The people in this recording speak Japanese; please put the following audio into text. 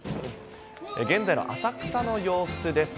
現在の浅草の様子です。